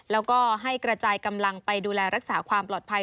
แล้วก็ให้กระจายกำลังไปดูแลรักษาความปลอดภัย